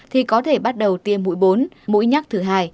thì có thể bắt đầu tiêm mũi bốn mũi nhác thứ hai